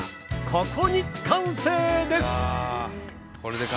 ここに完成です！